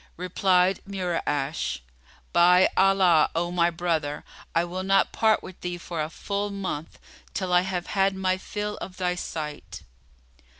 Replied Mura'ash, "By Allah, O my brother, I will not part with thee for a full month, till I have had my fill of thy sight."